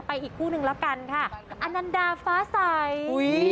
อีกคู่นึงแล้วกันค่ะอนันดาฟ้าใส